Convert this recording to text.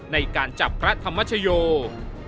ในการจับพระธรรมชโย